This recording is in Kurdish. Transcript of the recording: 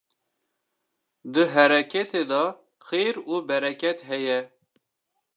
Di hereketê de xêr û bereket heye